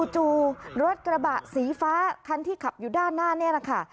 จู่รถกระบะสีฟ้าคันที่ขับอยู่ด้านหน้านี่แหละค่ะ